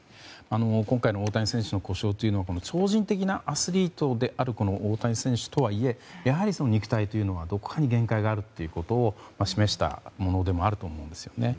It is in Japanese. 今回の大谷選手の故障は超人的なアスリートである大谷選手とはいえやはり肉体というのはどこかに限界があるということを示したものでもあると思うんですよね。